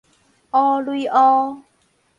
烏壘烏